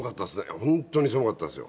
本当に寒かったですよ。